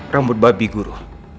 rambut babi guru